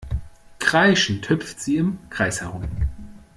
Kreischend hüpft sie im Kreis herum.